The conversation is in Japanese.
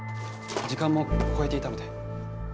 時間も超えていたので。